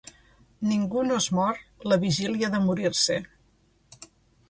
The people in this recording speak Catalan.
Ningú no es mor la vigília de morir-se.